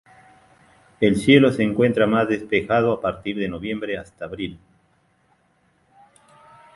El cielo se encuentra más despejado a partir de noviembre hasta abril.